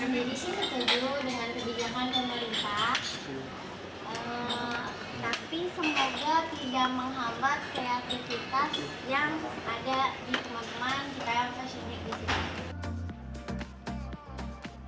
tapi semoga tidak menghambat kreativitas yang ada di teman teman cita yem fashion week di situ